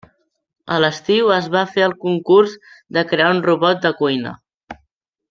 A l'estiu es va fer el concurs de crear un robot de cuina.